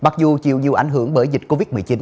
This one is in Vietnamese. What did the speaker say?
mặc dù chịu nhiều ảnh hưởng bởi dịch covid một mươi chín